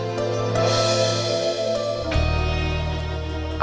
kenapa kau diam saja